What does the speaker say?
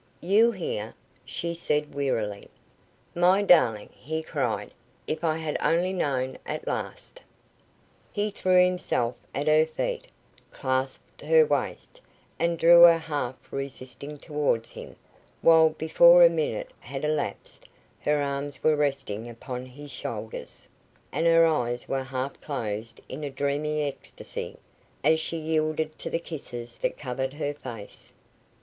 "You here?" she said, wearily. "My darling!" he cried. "If I had only known. At last!" He threw himself at her feet, clasped her waist, and drew her half resisting towards him, while before a minute had elapsed, her arms were resting upon his shoulders, and her eyes were half closed in a dreamy ecstasy, as she yielded to the kisses that covered her face.